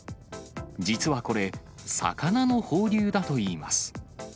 実はこれ、魚の放流だといいます。